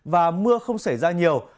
và mưa không xảy ra nhiều